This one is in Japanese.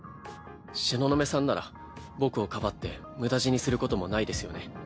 東雲さんなら僕をかばって無駄死にすることもないですよね。